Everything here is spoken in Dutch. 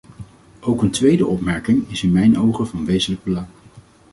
Ook een tweede opmerking is in mijn ogen van wezenlijk belang.